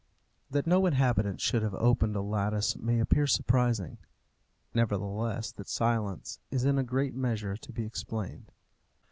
That no inhabitant should have opened a lattice may appear surprising. Nevertheless that silence is in a great measure to be explained.